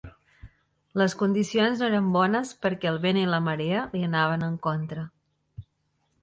Les condicions no eren bones perquè el vent i la marea li anaven en contra.